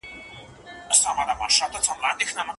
تل خپلو کارونو ته ژمن واوسئ.